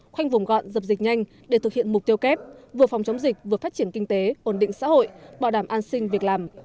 khoanh vùng gọn dập dịch nhanh để thực hiện mục tiêu kép vừa phòng chống dịch vừa phát triển kinh tế ổn định xã hội bảo đảm an sinh việc làm